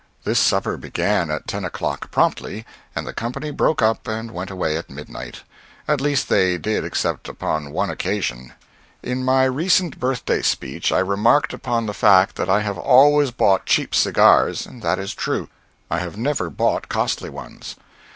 This supper began at ten o'clock promptly, and the company broke up and went away at midnight. At least they did except upon one occasion. In my recent Birthday speech I remarked upon the fact that I have always bought cheap cigars, and that is true. I have never bought costly ones.